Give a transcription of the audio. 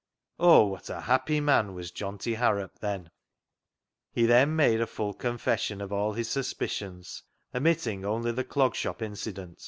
Oh what a happy man was Johnty Harrop then! He made a full confession of all his sus picions, omitting only the Clog Shop incident.